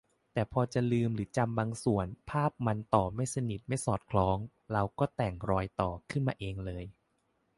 แต่พอจะลืมหรือจำบางส่วน ภาพมันต่อไม่สนิทไม่สอดคล้อง เราก็แต่ง"รอยต่อ"ขึ้นเองเลย